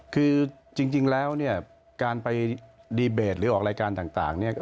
คือจริงแล้วเนี่ยการไปดีเบตหรือออกรายการต่างเนี่ย